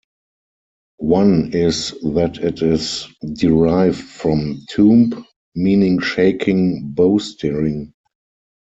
One is that it is derived from "tomb", meaning shaking bowstring.